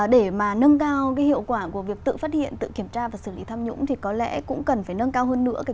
để mà nâng cao hiệu quả của việc tự phát hiện tự kiểm tra và xử lý tham nhũng thì có lẽ cũng cần phải nâng cao hơn nữa